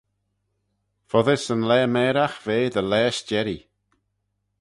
Foddys yn laa mairagh ve dty laa s'jerree.